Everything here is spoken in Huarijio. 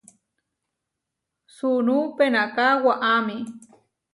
Sunú penaká waʼámi.